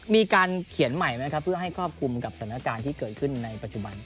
มีการเขียนใหม่ไหมครับเพื่อให้ครอบคลุมกับสถานการณ์ที่เกิดขึ้นในปัจจุบัน